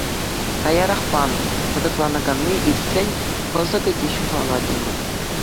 Каярахпа, кӑтӑкланаканни иртсен, кӑсӑкӗ те ҫухалать унӑн.